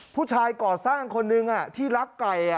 ผู้ชายก่อสร้างคนหนึ่งที่รักไก่